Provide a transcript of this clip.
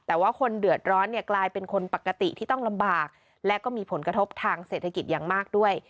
แต่ว่าคนเดือดร้อนเนี่ยกลายเป็นคนปกติที่ต้องลำบากและก็มีผลกระทบทางเศรษฐกิจอย่างมากด้วย